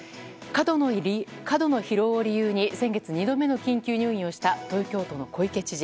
過度の疲労を理由に先月、２度目の緊急入院をした東京都の小池知事。